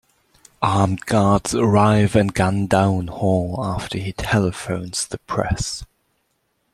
Armed guards arrive and gun down Hall after he telephones the press.